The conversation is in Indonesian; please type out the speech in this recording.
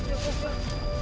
cepat pak man